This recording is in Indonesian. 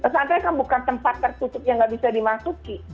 sampai kan bukan tempat tertutup yang nggak bisa dimasuki